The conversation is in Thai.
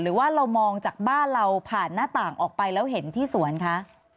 หรือว่าเรามองจากบ้านเราผ่านหน้าต่างออกไปแล้วเห็นที่สวนคะ